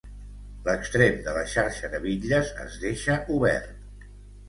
L'extrem de la xarxa de bitlles es deixa obert.